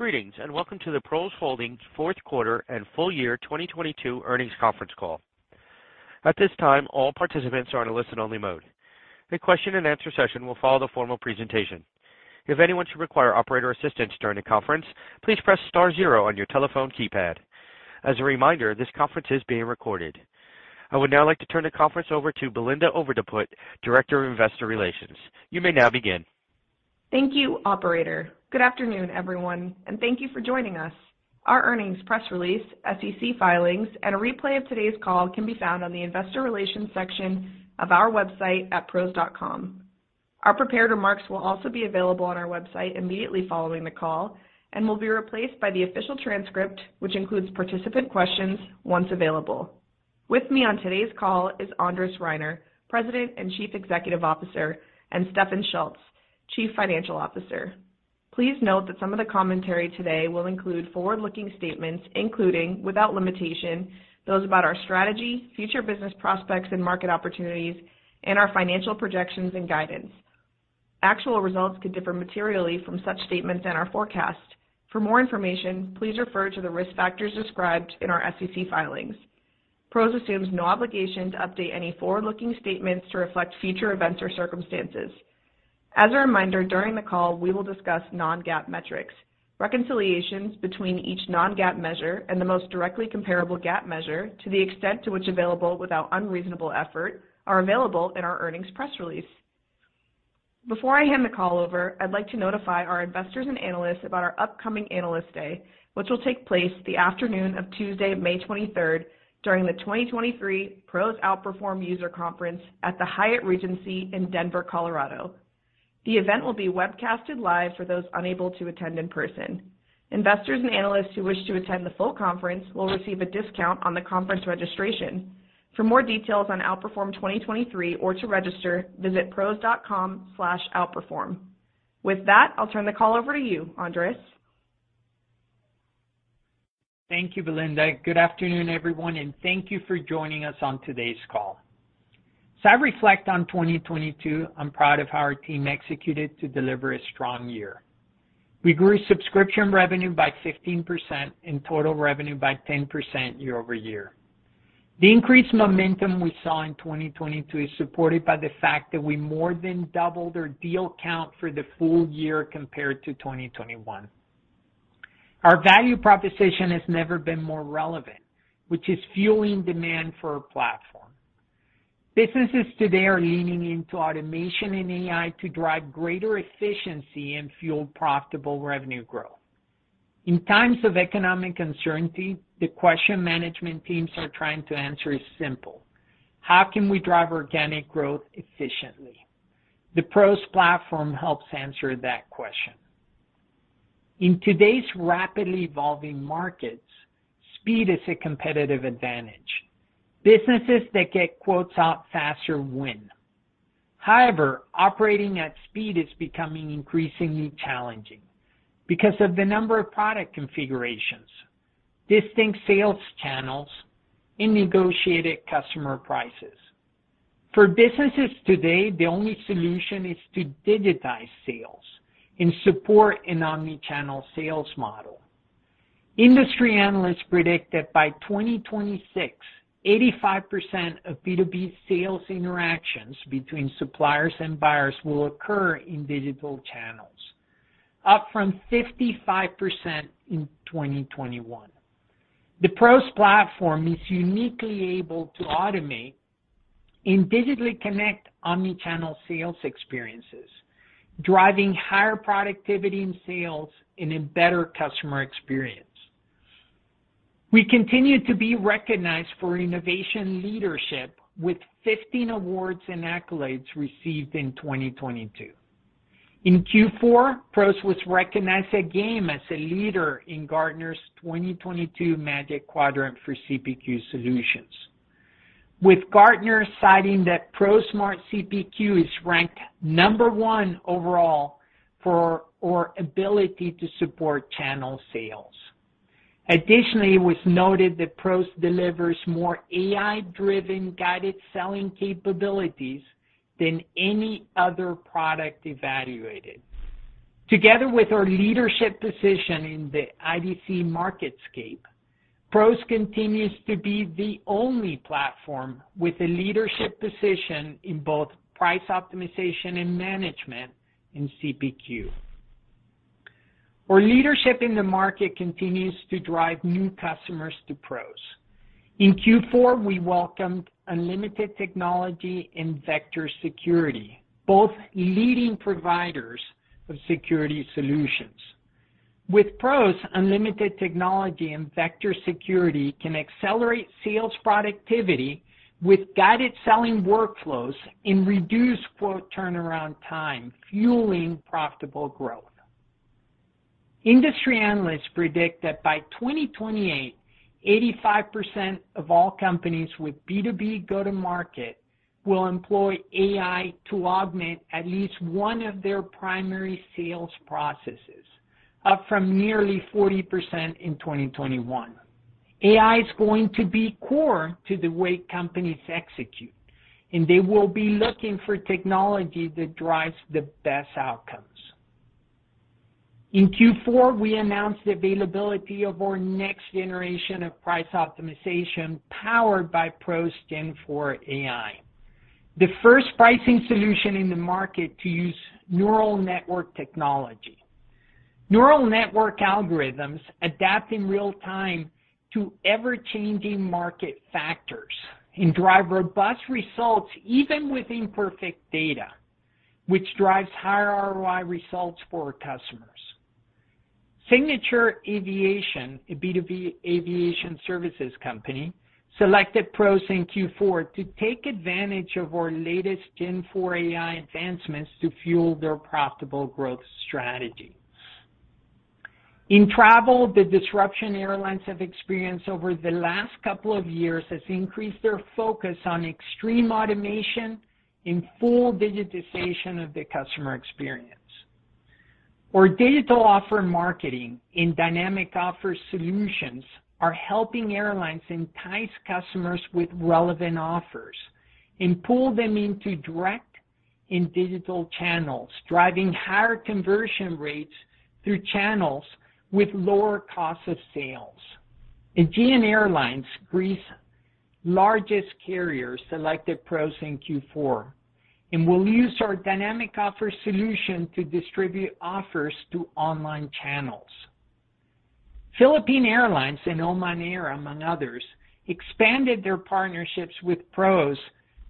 Greetings, and welcome to the PROS Holdings fourth quarter and full year 2022 earnings conference call. At this time, all participants are in a listen only mode. A question and answer session will follow the formal presentation. If anyone should require operator assistance during the conference, please press star zero on your telephone keypad. As a reminder, this conference is being recorded. I would now like to turn the conference over to Belinda Overdeput, Director of Investor Relations. You may now begin. Thank you, operator. Good afternoon, everyone, and thank you for joining us. Our earnings press release, SEC filings, and a replay of today's call can be found on the investor relations section of our website at PROS.com. Our prepared remarks will also be available on our website immediately following the call and will be replaced by the official transcript, which includes participant questions, once available. With me on today's call is Andres Reiner, President and Chief Executive Officer, and Stefan Schulz, Chief Financial Officer. Please note that some of the commentary today will include forward-looking statements, including, without limitation, those about our strategy, future business prospects and market opportunities, and our financial projections and guidance. Actual results could differ materially from such statements and our forecast. For more information, please refer to the risk factors described in our SEC filings. PROS assumes no obligation to update any forward-looking statements to reflect future events or circumstances. As a reminder, during the call, we will discuss non-GAAP metrics. Reconciliations between each non-GAAP measure and the most directly comparable GAAP measure, to the extent to which available without unreasonable effort, are available in our earnings press release. Before I hand the call over, I'd like to notify our investors and analysts about our upcoming Analyst Day, which will take place the afternoon of Tuesday, May 23rd, during the 2023 PROS Outperform User Conference at the Hyatt Regency in Denver, Colorado. The event will be webcasted live for those unable to attend in person. Investors and analysts who wish to attend the full conference will receive a discount on the conference registration. For more details on Outperform 2023 or to register, visit pros.com/outperform. With that, I'll turn the call over to you, Andres. Thank you, Belinda. Good afternoon, everyone, and thank you for joining us on today's call. As I reflect on 2022, I'm proud of how our team executed to deliver a strong year. We grew subscription revenue by 15% and total revenue by 10% year-over-year. The increased momentum we saw in 2022 is supported by the fact that we more than doubled our deal count for the full year compared to 2021. Our value proposition has never been more relevant, which is fueling demand for our platform. Businesses today are leaning into automation and AI to drive greater efficiency and fuel profitable revenue growth. In times of economic uncertainty, the question management teams are trying to answer is simple: how can we drive organic growth efficiently? The PROS platform helps answer that question. In today's rapidly evolving markets, speed is a competitive advantage. Businesses that get quotes out faster win. However, operating at speed is becoming increasingly challenging because of the number of product configurations, distinct sales channels, and negotiated customer prices. For businesses today, the only solution is to digitize sales and support an omnichannel sales model. Industry analysts predict that by 2026, 85% of B2B sales interactions between suppliers and buyers will occur in digital channels, up from 55% in 2021. The PROS platform is uniquely able to automate and digitally connect omnichannel sales experiences, driving higher productivity in sales and a better customer experience. We continue to be recognized for innovation leadership with 15 awards and accolades received in 2022. In Q4, PROS was recognized again as a leader in Gartner's 2022 Magic Quadrant for CPQ Solutions, with Gartner citing that PROS Smart CPQ is ranked number one overall for our ability to support channel sales. Additionally, it was noted that PROS delivers more AI-driven guided selling capabilities than any other product evaluated. Together with our leadership position in the IDC MarketScape, PROS continues to be the only platform with a leadership position in both price optimization and management in CPQ. Our leadership in the market continues to drive new customers to PROS. In Q4, we welcomed Unlimited Technology and Vector Security, both leading providers of security solutions. With PROS, Unlimited Technology and Vector Security can accelerate sales productivity with guided selling workflows and reduce quote turnaround time, fueling profitable growth. Industry analysts predict that by 2028, 85% of all companies with B2B go-to-market will employ AI to augment at least one of their primary sales processes, up from nearly 40% in 2021. AI is going to be core to the way companies execute, and they will be looking for technology that drives the best outcomes. In Q4, we announced the availability of our next generation of price optimization powered by PROS Gen IV AI, the first pricing solution in the market to use neural network technology. Neural network algorithms adapt in real time to ever-changing market factors and drive robust results even with imperfect data, which drives higher ROI results for our customers. Signature Aviation, a B2B aviation services company, selected PROS in Q4 to take advantage of our latest Gen IV AI advancements to fuel their profitable growth strategy. In travel, the disruption airlines have experienced over the last couple of years has increased their focus on extreme automation and full digitization of the customer experience. Our digital offer marketing and dynamic offer solutions are helping airlines entice customers with relevant offers and pull them into direct and digital channels, driving higher conversion rates through channels with lower cost of sales. Aegean Airlines, Greece's largest carrier, selected PROS in Q4 and will use our dynamic offer solution to distribute offers to online channels. Philippine Airlines and Oman Air, among others, expanded their partnerships with PROS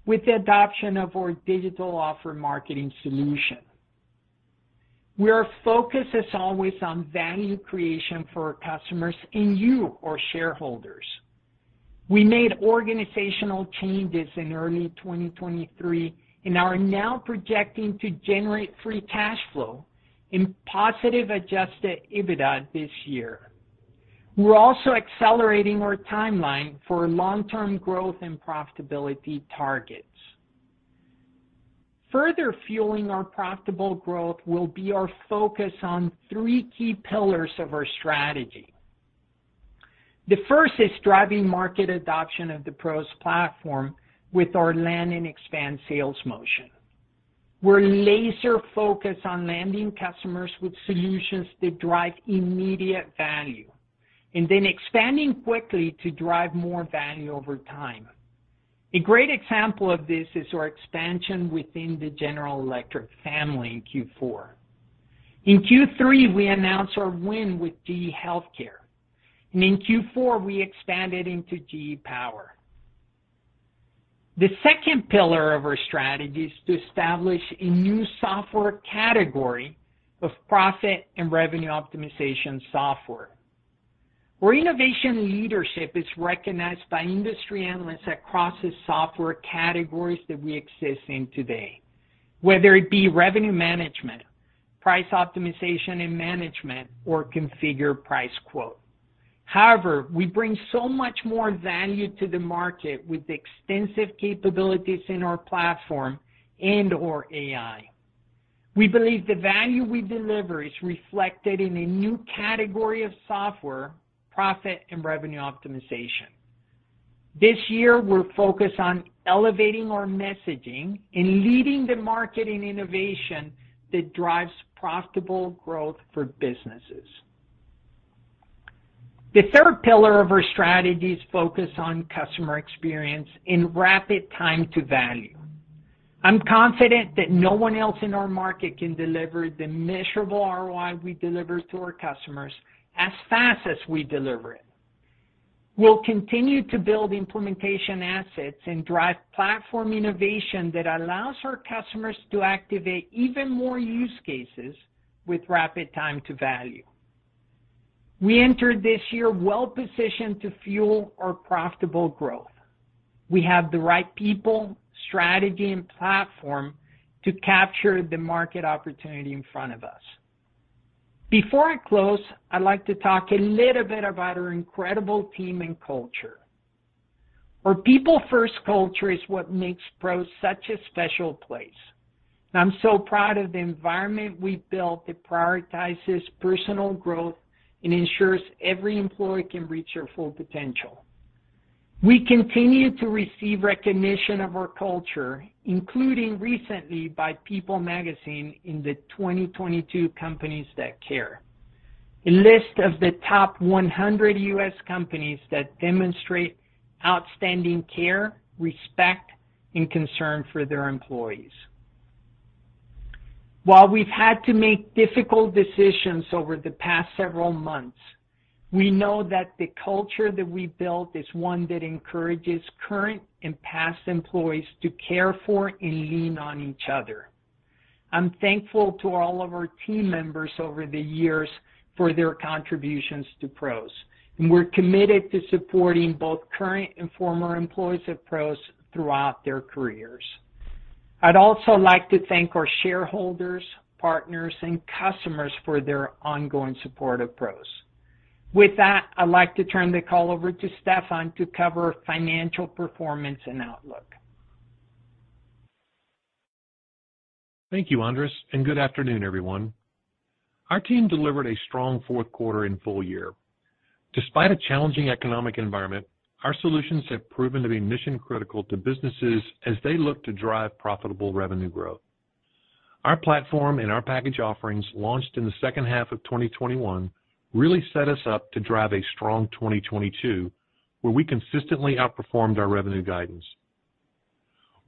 with the adoption of our digital offer marketing solution. We are focused as always on value creation for our customers and you, our shareholders. We made organizational changes in early 2023 and are now projecting to generate free cash flow and positive adjusted EBITDA this year. We're also accelerating our timeline for long-term growth and profitability targets. Further fueling our profitable growth will be our focus on three key pillars of our strategy. The first is driving market adoption of the PROS platform with our land and expand sales motion. We're laser-focused on landing customers with solutions that drive immediate value and then expanding quickly to drive more value over time. A great example of this is our expansion within the General Electric family in Q4. In Q3, we announced our win with GE HealthCare, and in Q4, we expanded into GE Power. The second pillar of our strategy is to establish a new software category of profit and revenue optimization software, where innovation leadership is recognized by industry analysts across the software categories that we exist in today, whether it be revenue management, price optimization and management, or configure price quote. However, we bring so much more value to the market with the extensive capabilities in our platform and our AI. We believe the value we deliver is reflected in a new category of software, profit and revenue optimization. This year, we're focused on elevating our messaging and leading the market in innovation that drives profitable growth for businesses. The third pillar of our strategy is focused on customer experience and rapid time to value. I'm confident that no one else in our market can deliver the measurable ROI we deliver to our customers as fast as we deliver it. We'll continue to build implementation assets and drive platform innovation that allows our customers to activate even more use cases with rapid time to value. We entered this year well-positioned to fuel our profitable growth. We have the right people, strategy, and platform to capture the market opportunity in front of us. Before I close, I'd like to talk a little bit about our incredible team and culture. Our people first culture is what makes PROS such a special place. I'm so proud of the environment we've built that prioritizes personal growth and ensures every employee can reach their full potential. We continue to receive recognition of our culture, including recently by PEOPLE magazine in the 2022 Companies That Care, a list of the top 100 US companies that demonstrate outstanding care, respect, and concern for their employees. While we've had to make difficult decisions over the past several months, we know that the culture that we built is one that encourages current and past employees to care for and lean on each other. I'm thankful to all of our team members over the years for their contributions to PROS, and we're committed to supporting both current and former employees of PROS throughout their careers. I'd also like to thank our shareholders, partners, and customers for their ongoing support of PROS. With that, I'd like to turn the call over to Stefan to cover financial performance and outlook. Thank you, Andres. Good afternoon, everyone. Our team delivered a strong fourth quarter and full year. Despite a challenging economic environment, our solutions have proven to be mission-critical to businesses as they look to drive profitable revenue growth. Our platform and our package offerings launched in the second half of 2021 really set us up to drive a strong 2022, where we consistently outperformed our revenue guidance.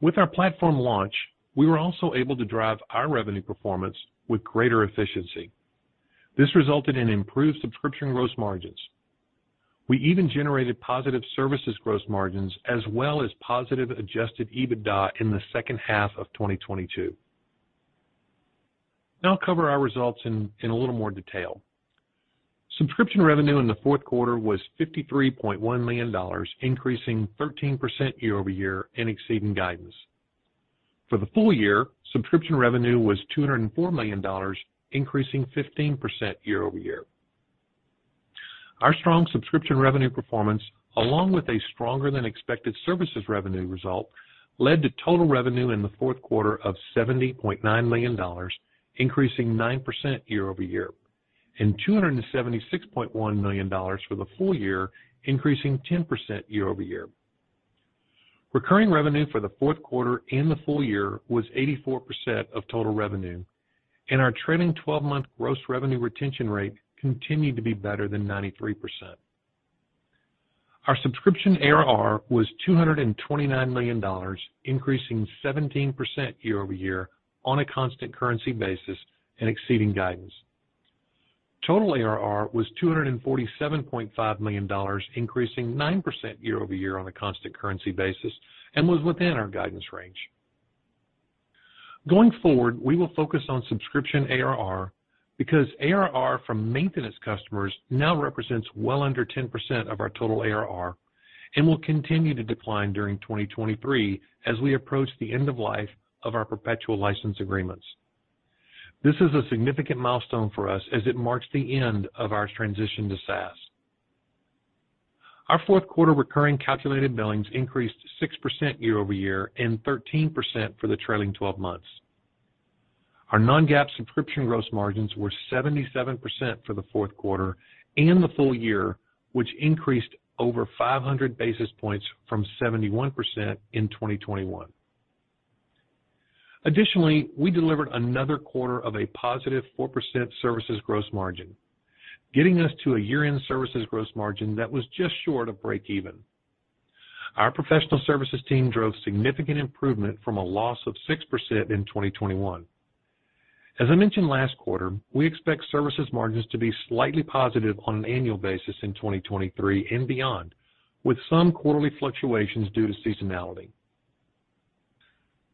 With our platform launch, we were also able to drive our revenue performance with greater efficiency. This resulted in improved subscription gross margins. We even generated positive services gross margins as well as positive adjusted EBITDA in the second half of 2022. I'll cover our results in a little more detail. Subscription revenue in the fourth quarter was $53.1 million, increasing 13% year-over-year and exceeding guidance. For the full year, subscription revenue was $204 million, increasing 15% year-over-year. Our strong subscription revenue performance, along with a stronger-than-expected services revenue result, led to total revenue in the fourth quarter of $70.9 million, increasing 9% year-over-year, and $276.1 million for the full year, increasing 10% year-over-year. Recurring revenue for the fourth quarter and the full year was 84% of total revenue, and our trailing twelve-month gross revenue retention rate continued to be better than 93%. Our subscription ARR was $229 million, increasing 17% year-over-year on a constant currency basis and exceeding guidance. Total ARR was $247.5 million, increasing 9% year-over-year on a constant currency basis and was within our guidance range. Going forward, we will focus on subscription ARR because ARR from maintenance customers now represents well under 10% of our total ARR and will continue to decline during 2023 as we approach the end of life of our perpetual license agreements. This is a significant milestone for us as it marks the end of our transition to SaaS. Our fourth quarter recurring calculated billings increased 6% year-over-year and 13% for the trailing 12 months. Our non-GAAP subscription gross margins were 77% for the fourth quarter and the full year, which increased over 500 basis points from 71% in 2021. Additionally, we delivered another quarter of a positive 4% services gross margin, getting us to a year-end services gross margin that was just short of breakeven. Our professional services team drove significant improvement from a loss of 6% in 2021. As I mentioned last quarter, we expect services margins to be slightly positive on an annual basis in 2023 and beyond, with some quarterly fluctuations due to seasonality.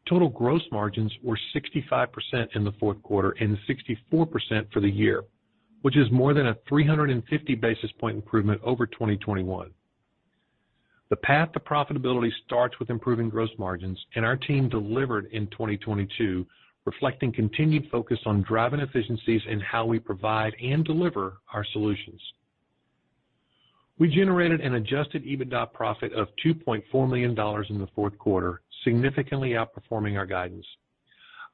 Total gross margins were 65% in the fourth quarter and 64% for the year, which is more than a 350 basis point improvement over 2021. The path to profitability starts with improving gross margins, and our team delivered in 2022, reflecting continued focus on driving efficiencies in how we provide and deliver our solutions. We generated an adjusted EBITDA profit of $2.4 million in the fourth quarter, significantly outperforming our guidance.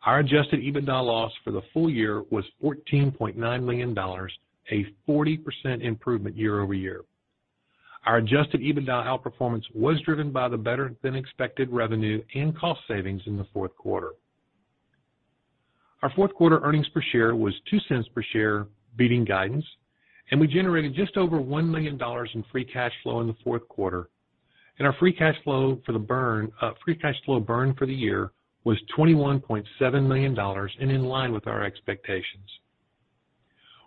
Our adjusted EBITDA loss for the full year was $14.9 million, a 40% improvement year-over-year. Our adjusted EBITDA outperformance was driven by the better-than-expected revenue and cost savings in the fourth quarter. Our fourth quarter earnings per share was $0.02 per share, beating guidance, and we generated just over $1 million in free cash flow in the fourth quarter. Our free cash flow burn for the year was $21.7 million and in line with our expectations.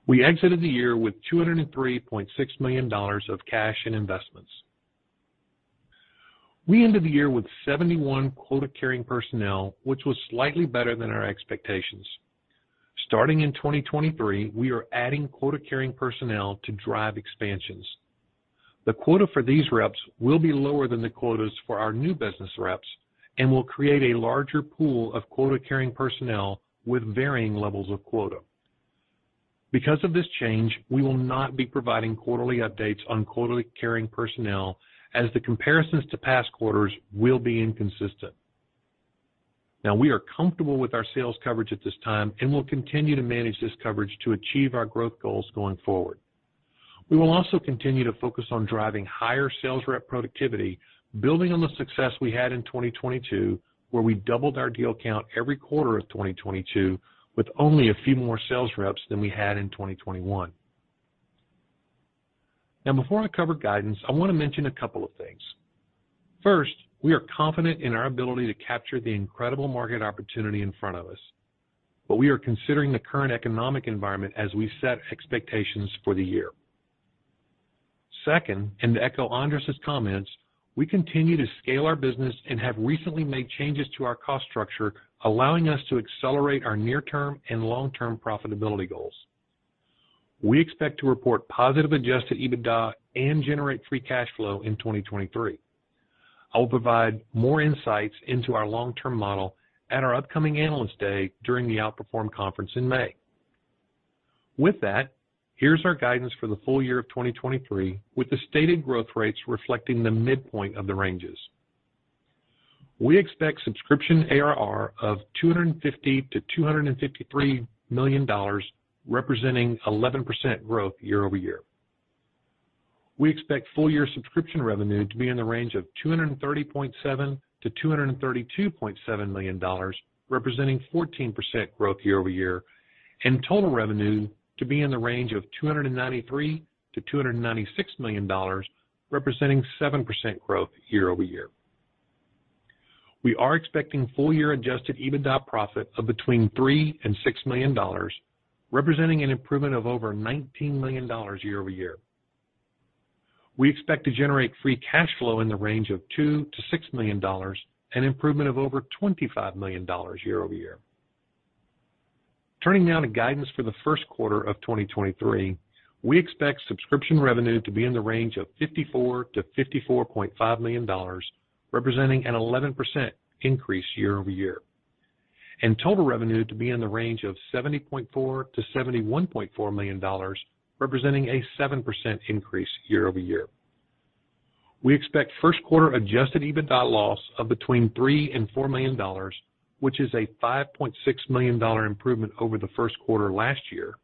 We exited the year with $203.6 million of cash and investments. We ended the year with 71 quota-carrying personnel, which was slightly better than our expectations. Starting in 2023, we are adding quota-carrying personnel to drive expansions. The quota for these reps will be lower than the quotas for our new business reps and will create a larger pool of quota-carrying personnel with varying levels of quota. Because of this change, we will not be providing quarterly updates on quota-carrying personnel as the comparisons to past quarters will be inconsistent. We are comfortable with our sales coverage at this time and will continue to manage this coverage to achieve our growth goals going forward. We will also continue to focus on driving higher sales rep productivity, building on the success we had in 2022, where we doubled our deal count every quarter of 2022 with only a few more sales reps than we had in 2021. Before I cover guidance, I want to mention a couple of things. First, we are confident in our ability to capture the incredible market opportunity in front of us, but we are considering the current economic environment as we set expectations for the year. Second, to echo Andres' comments, we continue to scale our business and have recently made changes to our cost structure, allowing us to accelerate our near-term and long-term profitability goals. We expect to report positive adjusted EBITDA and generate free cash flow in 2023. I will provide more insights into our long-term model at our upcoming Analyst Day during the Outperform Conference in May. With that, here's our guidance for the full year of 2023, with the stated growth rates reflecting the midpoint of the ranges. We expect subscription ARR of $250 million to $253 million, representing 11% growth year-over-year. We expect full year subscription revenue to be in the range of $230.7 million to $232.7 million, representing 14% growth year-over-year, and total revenue to be in the range of $293 million to $296 million, representing 7% growth year-over-year. We are expecting full year adjusted EBITDA profit of between $3 million and $6 million, representing an improvement of over $19 million year-over-year. We expect to generate free cash flow in the range of $2 million to $6 million, an improvement of over $25 million year-over-year. Turning now to guidance for the first quarter of 2023. We expect subscription revenue to be in the range of $54 million to $54.5 million, representing an 11% increase year-over-year, and total revenue to be in the range of $70.4 million to $71.4 million, representing a 7% increase year-over-year. We expect first quarter adjusted EBITDA loss of between $3 million and $4 million, which is a $5.6 million improvement over the first quarter last year.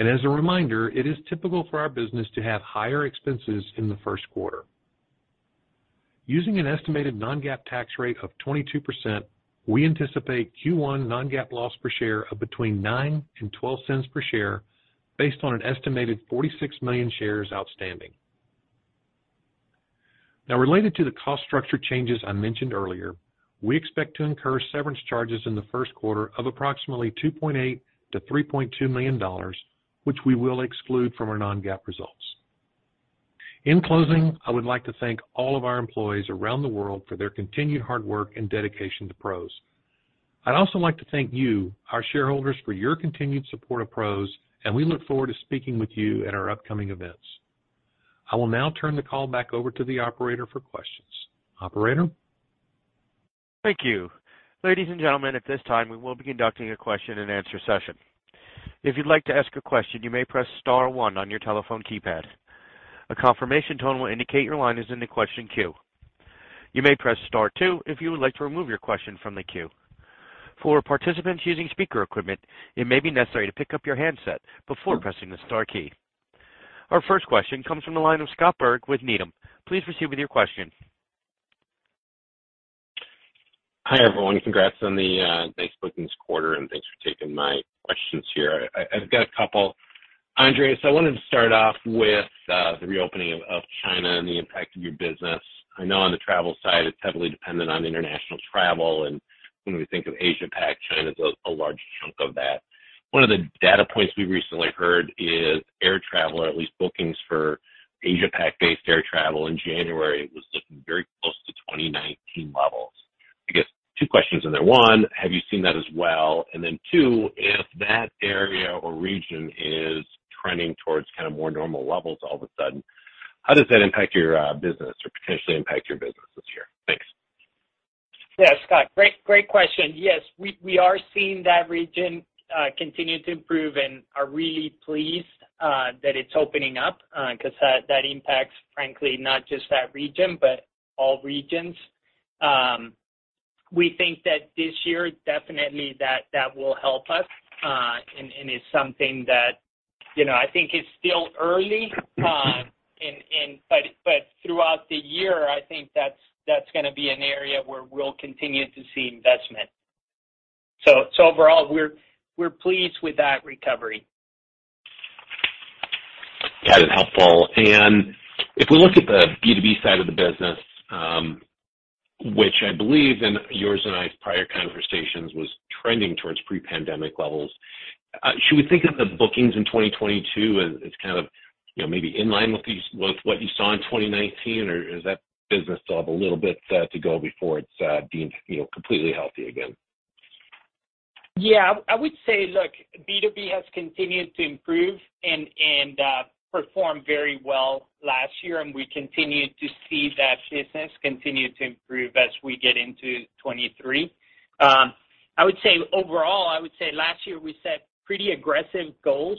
As a reminder, it is typical for our business to have higher expenses in the first quarter. Using an estimated non-GAAP tax rate of 22%, we anticipate Q1 non-GAAP loss per share of between $0.09 and $0.12 per share, based on an estimated 46 million shares outstanding. Related to the cost structure changes I mentioned earlier, we expect to incur severance charges in the first quarter of approximately $2.8 million to $3.2 million, which we will exclude from our non-GAAP results. In closing, I would like to thank all of our employees around the world for their continued hard work and dedication to PROS. I'd also like to thank you, our shareholders, for your continued support of PROS, and we look forward to speaking with you at our upcoming events. I will now turn the call back over to the operator for questions. Operator? Thank you. Ladies and gentlemen, at this time, we will be conducting a question-and-answer session. If you'd like to ask a question, you may press star one on your telephone keypad. A confirmation tone will indicate your line is in the question queue. You may press star two if you would like to remove your question from the queue. For participants using speaker equipment, it may be necessary to pick up your handset before pressing the star key. Our first question comes from the line of Scott Berg with Needham. Please proceed with your question. Hi, everyone. Congrats on the nice bookings quarter, and thanks for taking my questions here. I've got a couple. Andres, so I wanted to start off with the reopening of China and the impact of your business. I know on the travel side, it's heavily dependent on international travel, and when we think of Asia Pac, China's a large chunk of that. One of the data points we recently heard is air travel, or at least bookings for Asia Pac-based air travel in January was looking very close to 2019 levels. I guess two questions in there. One, have you seen that as well? Then two, if that area or region is trending towards kind of more normal levels all of a sudden, how does that impact your business or potentially impact your business this year? Thanks. Yeah, Scott, great question. Yes, we are seeing that region continue to improve and are really pleased that it's opening up 'cause that impacts, frankly, not just that region, but all regions. We think that this year, definitely that will help us, and it's something that, you know, I think it's still early, but throughout the year, I think that's gonna be an area where we'll continue to see investment. Overall, we're pleased with that recovery. Got it. Helpful. If we look at the B2B side of the business, which I believe in yours and I's prior conversations was trending towards pre-pandemic levels, should we think of the bookings in 2022 as kind of, you know, maybe in line with what you saw in 2019? Or is that business still have a little bit to go before it's deemed, you know, completely healthy again? I would say, look, B2B has continued to improve and performed very well last year. We continue to see that business continue to improve as we get into 2023. Overall, I would say last year we set pretty aggressive goals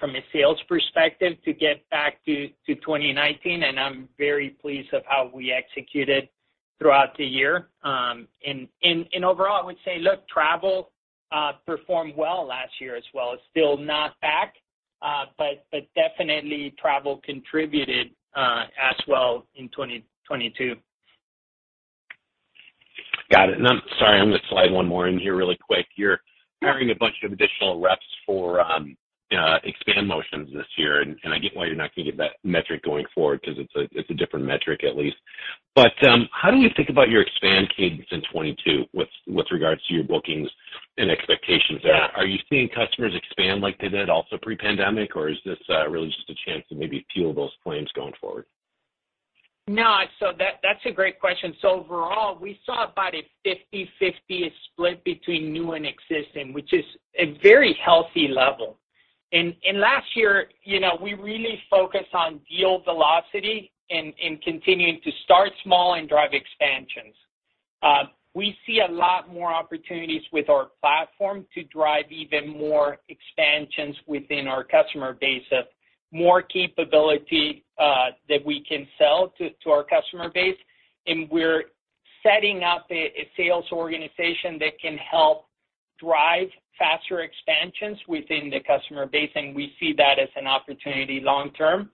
from a sales perspective to get back to 2019, and I'm very pleased of how we executed throughout the year. Overall, I would say, look, travel performed well last year as well. It's still not back, but definitely travel contributed as well in 2022. Got it. I'm sorry, I'm gonna slide one more in here really quick. You're hiring a bunch of additional reps for expand motions this year. I get why you're not gonna give that metric going forward 'cause it's a different metric at least. How do we think about your expand cadence in 2022 with regards to your bookings and expectations there? Yeah. Are you seeing customers expand like they did also pre-pandemic, or is this really just a chance to maybe fuel those plans going forward? No. That's a great question. Overall, we saw about a 50/50 split between new and existing, which is a very healthy level. And last year, you know, we really focused on deal velocity and continuing to start small and drive expansion. We see a lot more opportunities with our platform to drive even more expansions within our customer base of more capability that we can sell to our customer base. We're setting up a sales organization that can help drive faster expansions within the customer base, and we see that as an opportunity long term.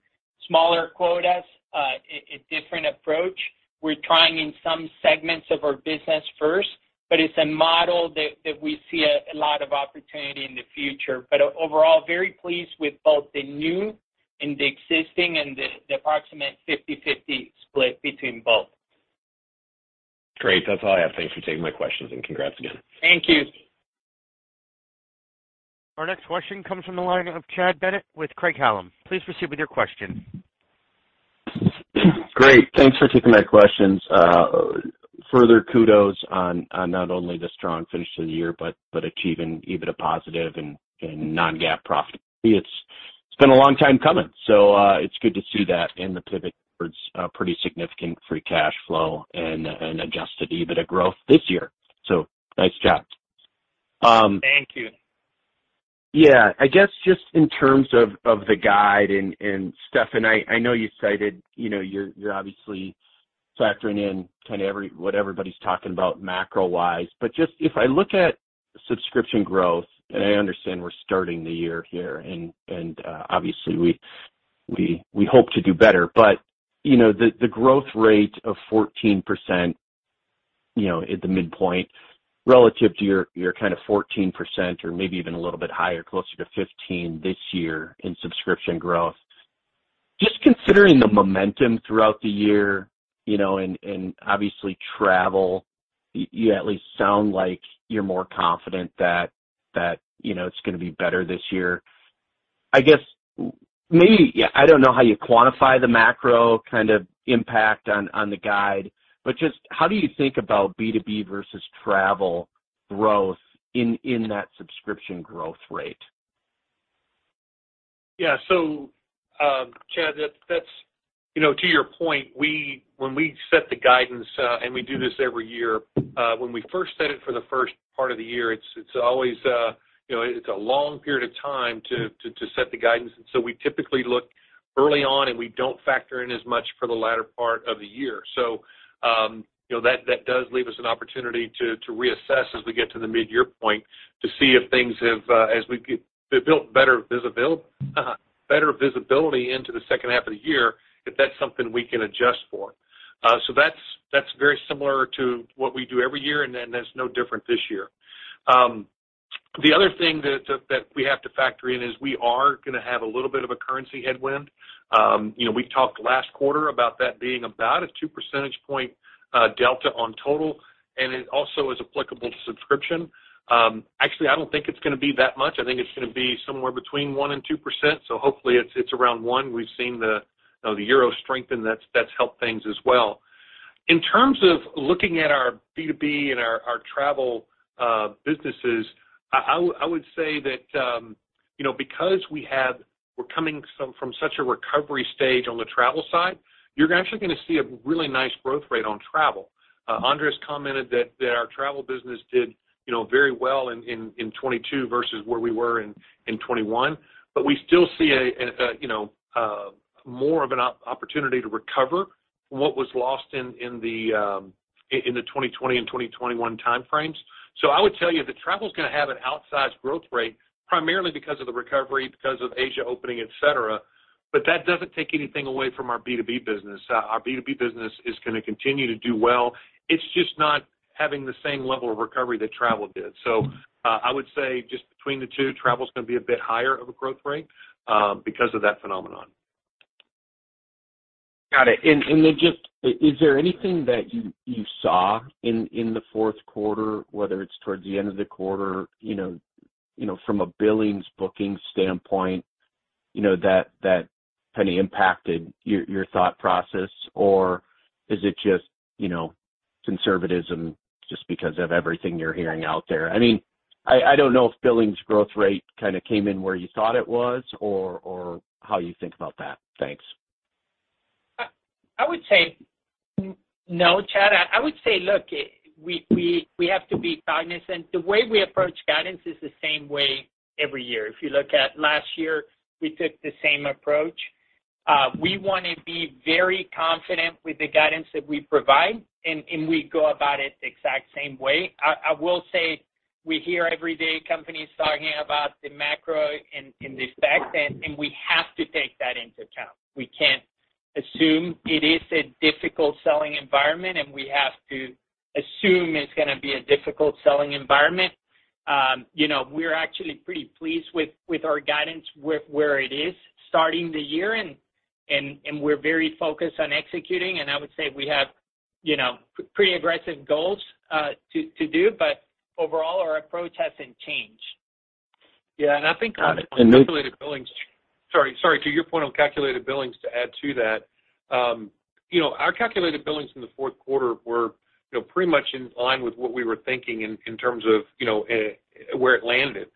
Smaller quotas, a different approach. We're trying in some segments of our business first, but it's a model that we see a lot of opportunity in the future. Overall, very pleased with both the new and the existing and the approximate 50/50 split between both. Great. That's all I have. Thanks for taking my questions, and congrats again. Thank you. Our next question comes from the line of Chad Bennett with Craig-Hallum. Please proceed with your question. Great. Thanks for taking my questions. Further kudos on not only the strong finish to the year but achieving EBITDA positive and non-GAAP profit. It's been a long time coming, so it's good to see that and the pivot towards pretty significant free cash flow and adjusted EBITDA growth this year. Nice job. Thank you. Yeah. I guess just in terms of the guide and Stefan, I know you cited, you know, you're obviously factoring in kind of what everybody's talking about macro-wise. Just if I look at subscription growth, and I understand we're starting the year here and, obviously we, we hope to do better. You know, the growth rate of 14%, you know, at the midpoint relative to your kind of 14% or maybe even a little bit higher, closer to 15 this year in subscription growth. Justyconsidering the momentum throughout the year, you know, and obviously travel, you at least sound like you're more confident that, you know, it's gonna be better this year. I guess maybe, yeah, I don't know how you quantify the macro kind of impact on the guide, but just how do you think about B2B versus travel growth in that subscription growth rate? Chad, that's. You know, to your point, when we set the guidance, we do this every year, when we first set it for the first part of the year, it's always, you know, a long period of time to set the guidance. We typically look early on, and we don't factor in as much for the latter part of the year. You know, that does leave us an opportunity to reassess as we get to the midyear point to see if things have built better visibility into the second half of the year, if that's something we can adjust for. That's very similar to what we do every year, that's no different this year. The other thing that we have to factor in is we are gonna have a little bit of a currency headwind. You know, we talked last quarter about that being about a two percentage point delta on total, and it also is applicable to subscription. Actually, I don't think it's gonna be that much. I think it's gonna be somewhere between 1% and 2%. Hopefully it's around one. We've seen the, you know, the euro strengthen. That's helped things as well. In terms of looking at our B2B and our travel businesses, I would say that, you know, because we're coming from such a recovery stage on the travel side, you're actually gonna see a really nice growth rate on travel. Andres commented that our travel business did, you know, very well in 2022 versus where we were in 2021. We still see a, you know, more of an opportunity to recover from what was lost in the 2020 and 2021 time frames. I would tell you that travel's gonna have an outsized growth rate primarily because of the recovery, because of Asia opening, et cetera. That doesn't take anything away from our B2B business. Our B2B business is gonna continue to do well. It's just not having the same level of recovery that travel did. I would say just between the two, travel's gonna be a bit higher of a growth rate because of that phenomenon. Got it. Is there anything that you saw in the fourth quarter, whether it's towards the end of the quarter, you know, from a billings, bookings standpoint, you know, that kind of impacted your thought process? Or is it just, you know, conservatism just because of everything you're hearing out there? I mean, I don't know if billings growth rate kinda came in where you thought it was or how you think about that. Thanks. No, Chad, I would say, look, we have to be cognizant. The way we approach guidance is the same way every year. If you look at last year, we took the same approach. We wanna be very confident with the guidance that we provide, and we go about it the exact same way. I will say we hear every day companies talking about the macro and the effect, and we have to take that into account. We can't assume it is a difficult selling environment, and we have to assume it's gonna be a difficult selling environment. You know, we're actually pretty pleased with our guidance where it is starting the year, and we're very focused on executing. I would say we have, you know, pretty aggressive goals, to do, but overall our approach hasn't changed. Yeah. I think on calculated billings. Sorry. To your point on calculated billings to add to that, you know, our calculated billings in the fourth quarter were, you know, pretty much in line with what we were thinking in terms of, you know, where it landed.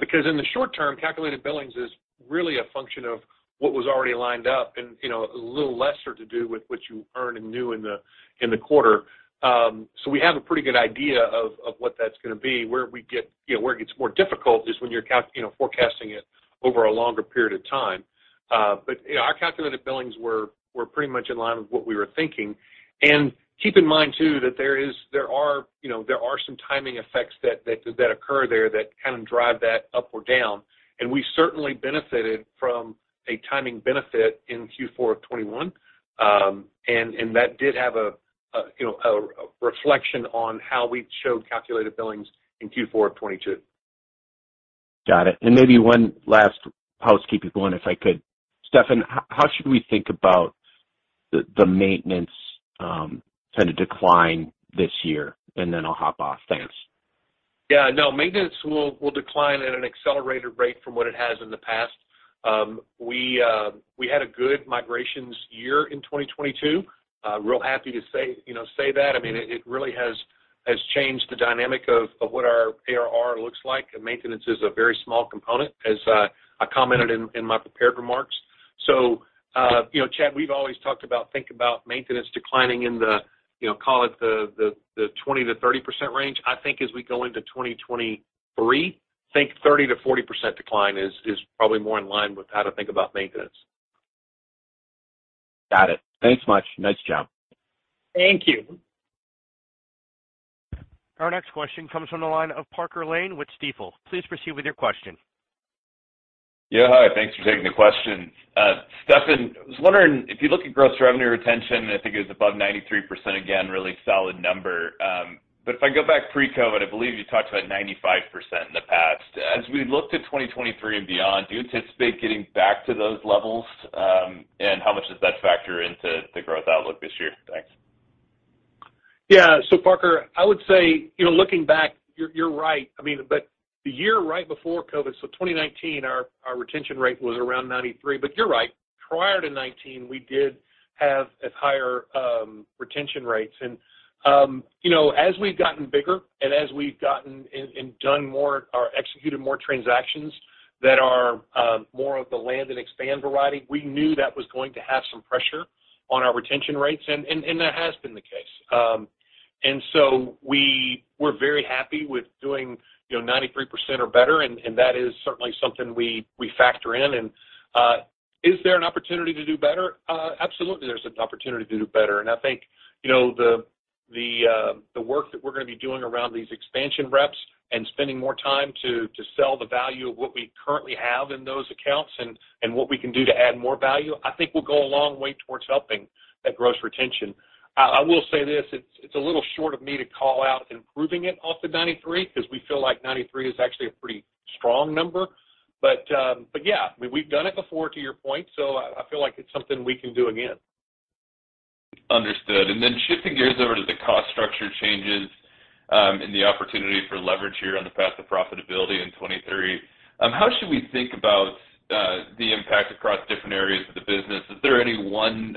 Because in the short term, calculated billings is really a function of what was already lined up and, you know, a little lesser to do with what you earn in new in the quarter. We have a pretty good idea of what that's gonna be. Where we get, you know, where it gets more difficult is when you're you know, forecasting it over a longer period of time. Our calculated billings were pretty much in line with what we were thinking. Keep in mind too, that there are, you know, there are some timing effects that occur there that kind of drive that up or down. We certainly benefited from a timing benefit in Q4 of 2021. And that did have a, you know, a reflection on how we showed calculated billings in Q4 of 2022. Got it. Maybe one last housekeeping one, if I could. Stefan, how should we think about the maintenance kind of decline this year? Then I'll hop off. Thanks. Yeah, no, maintenance will decline at an accelerated rate from what it has in the past. We had a good migrations year in 2022. Real happy to say, you know, say that. I mean, it really has changed the dynamic of what our ARR looks like. Maintenance is a very small component, as I commented in my prepared remarks. You know, Chad, we've always talked about think about maintenance declining in the, you know, call it the 20% to 30% range. I think as we go into 2023, think 30% to 40% decline is probably more in line with how to think about maintenance. Got it. Thanks much. Nice job. Thank you. Our next question comes from the line of Parker Lane with Stifel. Please proceed with your question. Yeah, hi. Thanks for taking the question. Stefan, I was wondering if you look at gross revenue retention, I think it was above 93%, again, really solid number. If I go back pre-COVID, I believe you talked about 95% in the past. As we look to 2023 and beyond, do you anticipate getting back to those levels? How much does that factor into the growth outlook this year? Thanks. Parker, I would say, you know, looking back, you're right. I mean, the year right before COVID, 2019, our retention rate was around 93. You're right, prior to 2019, we did have as higher retention rates. You know, as we've gotten bigger and as we've gotten and done more or executed more transactions that are more of the land and expand variety, we knew that was going to have some pressure on our retention rates, and that has been the case. We were very happy with doing, you know, 93% or better, and that is certainly something we factor in. Is there an opportunity to do better? Absolutely there's an opportunity to do better. I think, you know, the work that we're gonna be doing around these expansion reps and spending more time to sell the value of what we currently have in those accounts and what we can do to add more value, I think will go a long way towards helping that gross retention. I will say this, it's a little short of me to call out improving it off the 93 because we feel like 93 is actually a pretty strong number. Yeah, I mean, we've done it before, to your point, so I feel like it's something we can do again. Understood. Shifting gears over to the cost structure changes, and the opportunity for leverage here on the path to profitability in 2023. How should we think about the impact across different areas of the business? Is there any one,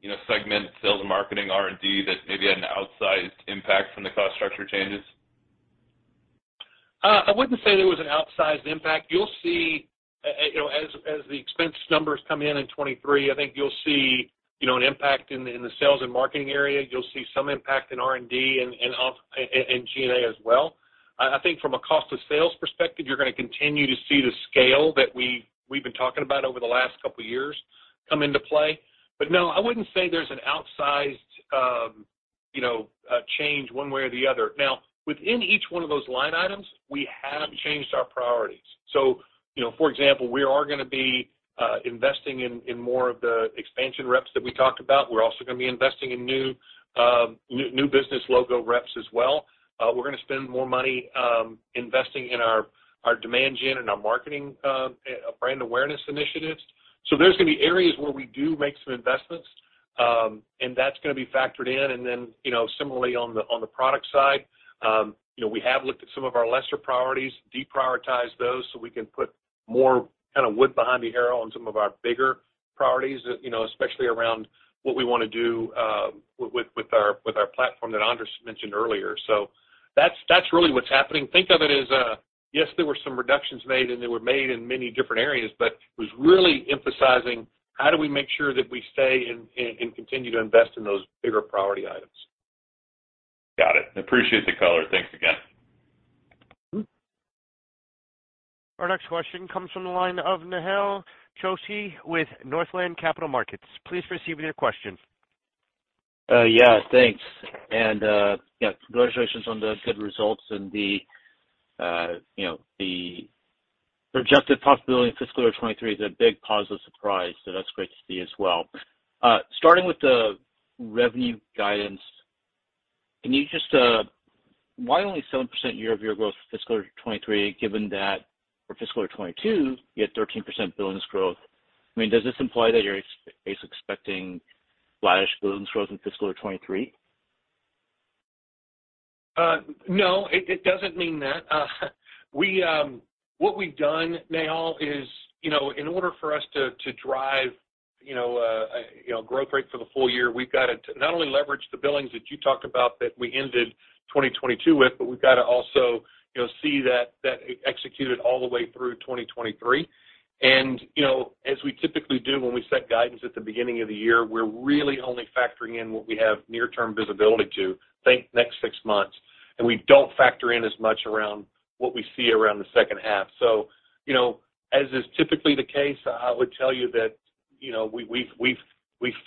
you know, segment, sales and marketing, R&D, that maybe had an outsized impact from the cost structure changes? I wouldn't say there was an outsized impact. You'll see, you know, as the expense numbers come in in 2023, I think you'll see, you know, an impact in the sales and marketing area. You'll see some impact in R&D and G&A as well. I think from a cost of sales perspective, you're gonna continue to see the scale that we've been talking about over the last couple years come into play. But no, I wouldn't say there's an outsized, you know, change one way or the other. Now, within each one of those line items, we have changed our priorities. You know, for example, we are gonna be investing in more of the expansion reps that we talked about. We're also gonna be investing in new business logo reps as well. We're gonna spend more money, investing in our demand gen and our marketing, brand awareness initiatives. There's gonna be areas where we do make some investments, and that's gonna be factored in. Then, you know, similarly on the, on the product side, you know, we have looked at some of our lesser priorities, deprioritize those so we can put more kind of wood behind the arrow on some of our bigger priorities, you know, especially around what we wanna do, with our platform that Andres mentioned earlier. That's, that's really what's happening. Think of it as, yes, there were some reductions made, and they were made in many different areas, but it was really emphasizing how do we make sure that we stay and continue to invest in those bigger priority items. Got it. Appreciate the color. Thanks again. Mm-hmm. Our next question comes from the line of Nehal Chokshi with Northland Capital Markets. Please proceed with your question. Yeah, thanks. Yeah, congratulations on the good results and the, you know, the projected possibility in fiscal year 2023 is a big positive surprise. That's great to see as well. Starting with the revenue guidance, can you just? Why only 7% year-over-year growth for fiscal year 2023, given that for fiscal year 2022, you had 13% billings growth? I mean, does this imply that you're expecting flattish billings growth in fiscal year 2023? No, it doesn't mean that. What we've done, Nehal, is, you know, in order for us to drive, you know, growth rate for the full year, we've got to not only leverage the billings that you talked about that we ended 2022 with, but we've got to also, you know, see that executed all the way through 2023. You know, as we typically do when we set guidance at the beginning of the year, we're really only factoring in what we have near-term visibility to, think next 6 months. We don't factor in as much around what we see around the second half. You know, as is typically the case, I would tell you that, you know, we've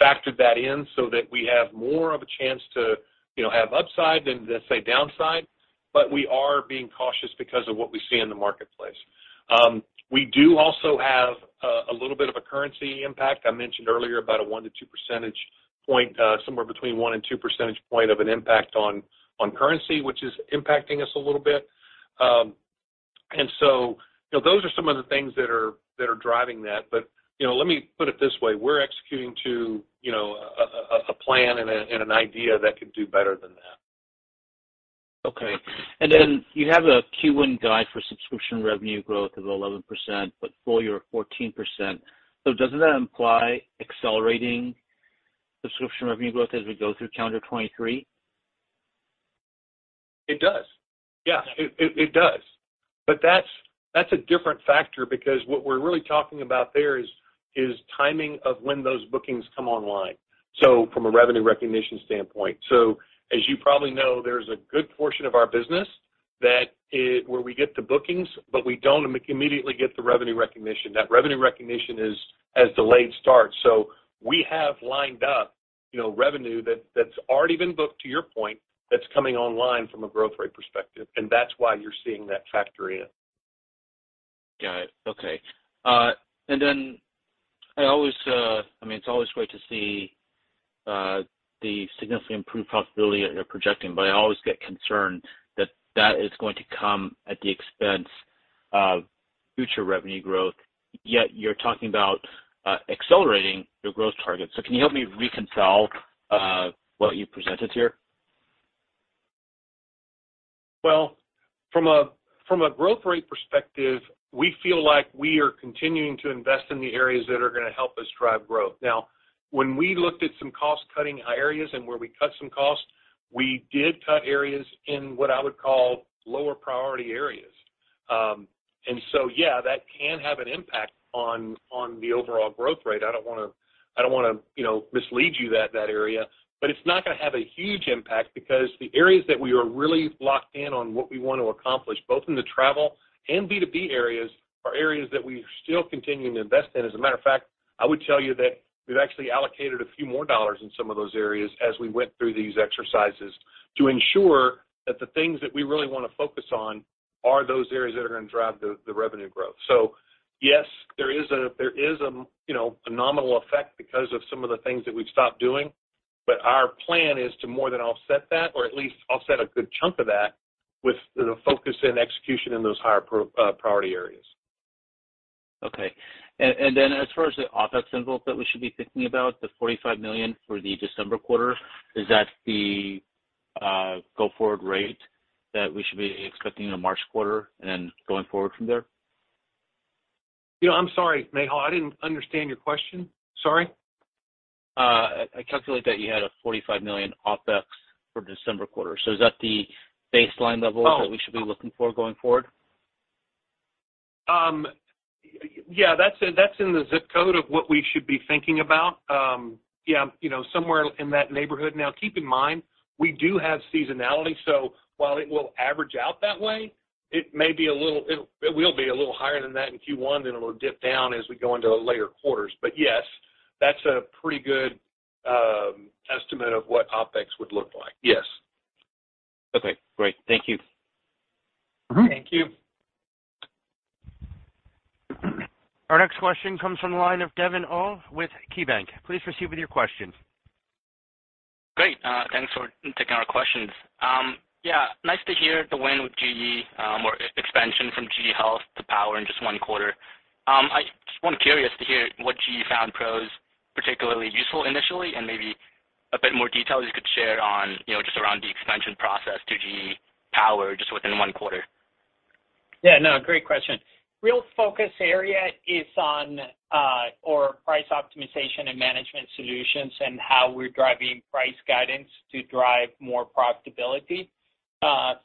factored that in so that we have more of a chance to, you know, have upside than, say, downside. We are being cautious because of what we see in the marketplace. We do also have a little bit of a currency impact. I mentioned earlier about a one to two percentage point, somewhere between one and two percentage point of an impact on currency, which is impacting us a little bit. You know, those are some of the things that are driving that. You know, let me put it this way, we're executing to, you know, a plan and an idea that could do better than that. Okay. You have a Q1 guide for subscription revenue growth of 11%, but full year of 14%. Doesn't that imply accelerating subscription revenue growth as we go through calendar 2023? It does. Yeah, it does. That's a different factor because what we're really talking about there is timing of when those bookings come online, from a revenue recognition standpoint. As you probably know, there's a good portion of our business that where we get the bookings, but we don't immediately get the revenue recognition. That revenue recognition is as delayed start. We have lined up, you know, revenue that's already been booked, to your point, that's coming online from a growth rate perspective, that's why you're seeing that factor in. Got it. Okay. Then I always, I mean, it's always great to see the significantly improved profitability that you're projecting, but I always get concerned that is going to come at the expense of future revenue growth. Yet you're talking about accelerating your growth targets. Can you help me reconcile what you presented here? Well, from a growth rate perspective, we feel like we are continuing to invest in the areas that are gonna help us drive growth. Now, when we looked at some cost-cutting areas and where we cut some costs, we did cut areas in what I would call lower priority areas. Yeah, that can have an impact on the overall growth rate. I don't wanna, you know, mislead you that area. It's not gonna have a huge impact because the areas that we are really locked in on what we want to accomplish, both in the travel and B2B areas, are areas that we still continuing to invest in. As a matter of fact, I would tell you that we've actually allocated a few more dollars in some of those areas as we went through these exercises to ensure that the things that we really wanna focus on are those areas that are gonna drive the revenue growth. Yes, there is a, you know, a nominal effect because of some of the things that we've stopped doing. Our plan is to more than offset that, or at least offset a good chunk of that with the focus and execution in those higher priority areas. Okay. As far as the OpEx envelope that we should be thinking about, the $45 million for the December quarter, is that the go-forward rate that we should be expecting in the March quarter and then going forward from there? You know, I'm sorry, Nehal, I didn't understand your question. Sorry. I calculate that you had a $45 million OpEx for December quarter. Is that the baseline level? Oh. that we should be looking for going forward? Yeah, that's in the ZIP code of what we should be thinking about. Yeah, you know, somewhere in that neighborhood. Keep in mind, we do have seasonality, so while it will average out that way, it will be a little higher than that in Q1, then it'll dip down as we go into later quarters. Yes, that's a pretty good estimate of what OpEx would look like. Yes. Okay, great. Thank you. Mm-hmm. Thank you. Our next question comes from the line of Devin Au with KeyBanc. Please proceed with your question. Great. Thanks for taking our questions. Yeah, nice to hear the win with GE, or expansion from GE Health to Power in just one quarter. I just want curious to hear what GE found PROS particularly useful initially and maybe a bit more detail you could share on, you know, just around the expansion process to GE Power just within one quarter? Yeah, no, great question. Real focus area is on our price optimization and management solutions and how we're driving price guidance to drive more profitability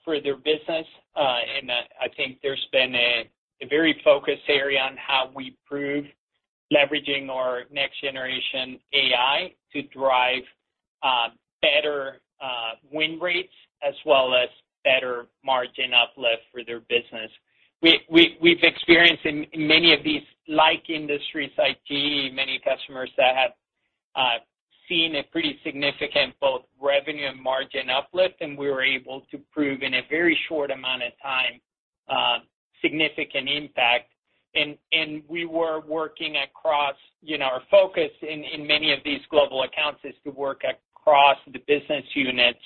for their business. I think there's been a very focused area on how we prove leveraging our next generation AI to drive better win rates as well as better margin uplift for their business. We've experienced in many of these industries like GE, many customers that have seen a pretty significant both revenue and margin uplift, and we were able to prove in a very short amount of time significant impact. We were working across, you know, our focus in many of these global accounts is to work across the business units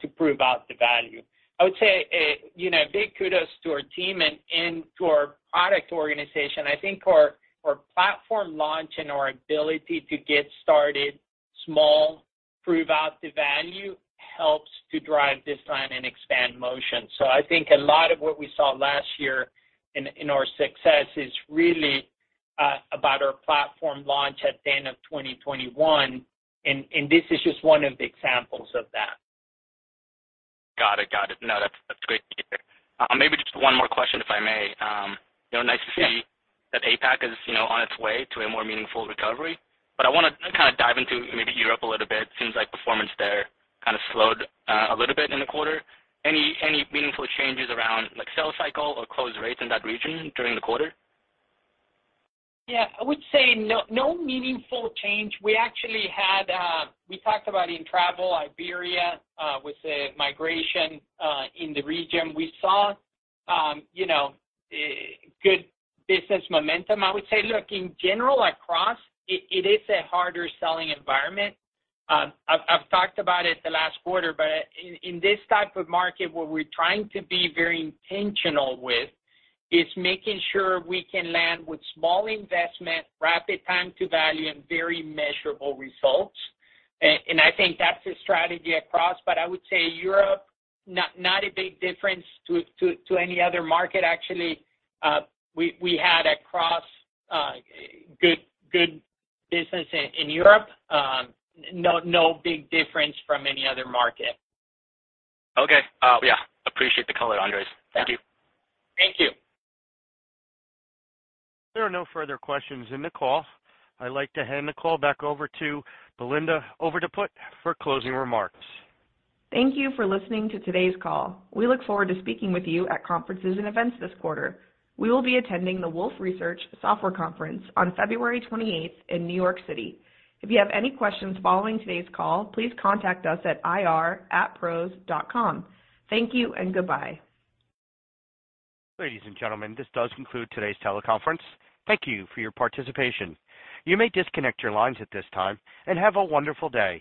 to prove out the value. I would say, you know, big kudos to our team and to our product organization. I think our platform launch and our ability to get started small. Prove out the value helps to drive land and expand motion. I think a lot of what we saw last year in our success is really about our platform launch at the end of 2021, and this is just one of the examples of that. Got it. No, that's great to hear. Maybe just one more question, if I may. You know, nice to see. Yeah. That APAC is, you know, on its way to a more meaningful recovery. I wanna kind of dive into maybe Europe a little bit. Seems like performance there kind of slowed a little bit in the quarter. Any meaningful changes around, like, sales cycle or close rates in that region during the quarter? Yeah. I would say no meaningful change. We talked about in travel, Iberia, with the migration in the region. We saw, you know, good business momentum. I would say, look, in general across, it is a harder selling environment. I've talked about it the last quarter, in this type of market, what we're trying to be very intentional with is making sure we can land with small investment, rapid time to value, and very measurable results. I think that's the strategy across. I would say Europe, not a big difference to any other market. Actually, we had across, good business in Europe. No big difference from any other market. Okay. Yeah, appreciate the color, Andres. Thank you. Thank you. There are no further questions in the call. I'd like to hand the call back over to Belinda Overdeput for closing remarks. Thank you for listening to today's call. We look forward to speaking with you at conferences and events this quarter. We will be attending the Wolfe Research Software Conference on February 28th in New York City. If you have any questions following today's call, please contact us at ir@pros.com. Thank you and goodbye. Ladies and gentlemen, this does conclude today's teleconference. Thank you for your participation. You may disconnect your lines at this time, and have a wonderful day.